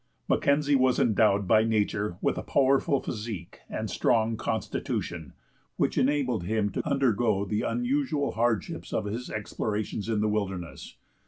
Mackenzie was endowed by nature with a powerful physique and a strong constitution, which enabled him to undergo the unusual hardships of his explorations in the wilderness.